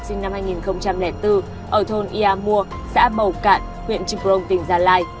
sinh năm hai nghìn bốn ở thôn ia mua xã bầu cạn huyện trịnh công tỉnh gia lai